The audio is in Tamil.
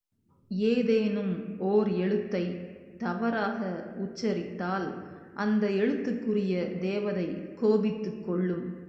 ஏதேனும் ஒர் எழுத்தைத் தவறாக உச்சரித்தால் அந்த எழுத்துக்குரிய தேவதை கோபித்துக் கொள்ளும்.